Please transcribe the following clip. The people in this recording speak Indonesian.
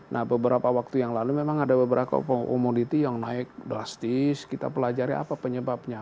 nah beberapa waktu yang lalu memang ada beberapa komoditi yang naik drastis kita pelajari apa penyebabnya